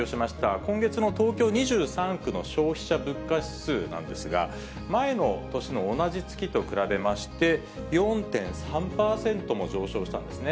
今月の東京２３区の消費者物価指数なんですが、前の年の同じ月と比べまして、４．３％も上昇したんですね。